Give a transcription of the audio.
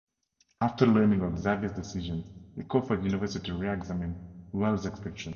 After learning of Xavier's decision, he called for the university to reexamine Wells' expulsion.